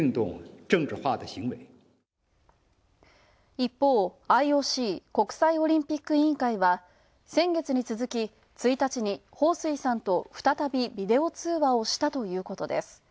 一方、ＩＯＣ＝国際オリンピック委員会は先月に続き、１日に彭帥さんと再びビデオ通話をしたということです。